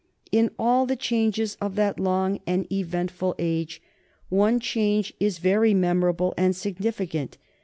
In all the changes of that long and eventful age one change is very memorable and significant.